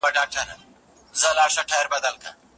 د انټرنیټ مرسته د علم د تبادلې لامل ګرځي، نو کمزوري نه وي.